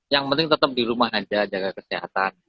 yang penting tetap di rumah aja jaga kesehatan